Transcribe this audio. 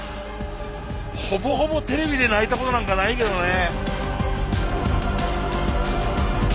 ほぼほぼテレビで泣いたことなんかないけどね。